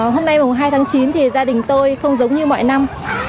hôm nay mùng hai tháng chín thì gia đình tôi không giống như mọi năm